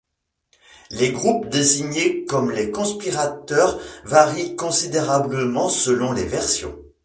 Les groupes désignés comme les conspirateurs varient considérablement selon les versions.